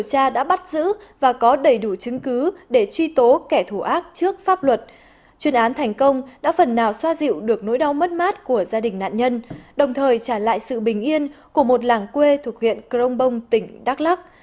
các phần nào xoa dịu được nỗi đau mất mát của gia đình nạn nhân đồng thời trả lại sự bình yên của một làng quê thuộc huyện crong bong tỉnh đắk lắc